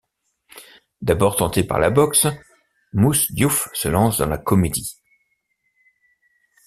D'abord tenté par la boxe, Mouss Diouf se lance dans la comédie.